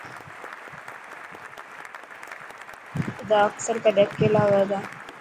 اد اڪثر ڪري اڪيلا هئي ٿا.